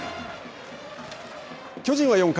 巨人は４回。